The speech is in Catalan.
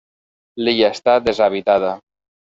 L'illa està deshabitada.